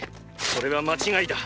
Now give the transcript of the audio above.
それは間違いだ！